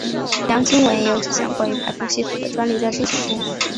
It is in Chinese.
杨经文也有几项关于排风系统的专利在申请中。